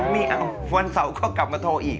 ไม่เอาวันเสาร์ก็กลับมาโทรอีก